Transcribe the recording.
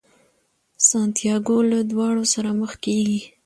سانتیاګو له داړو سره مخ کیږي.